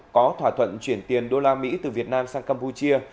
có thỏa thuận chuyển tiền đô la mỹ từ việt nam sang campuchia